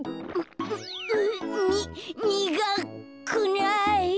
ににがくない。